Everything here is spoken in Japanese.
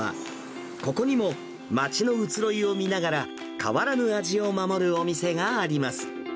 ここにも街の移ろいを見ながら、変わらぬ味を守るお店があります。